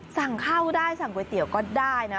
สั่งข้าวได้สั่งก๋วยเตี๋ยวก็ได้นะ